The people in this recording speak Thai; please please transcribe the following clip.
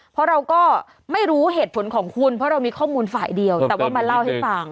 เพราะเราก็ไม่รู้เหตุผลของคุณเพราะเรามีข้อมูลฝ่ายเดียวแต่ว่ามาเล่าให้ฟัง